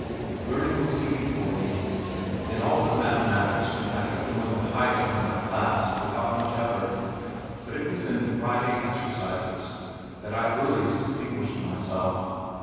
Learning was easy for me. In all but mathematics I kept among the highest of my class without much effort, but it was in the "Friday Exercises" that I earliest distinguished myself.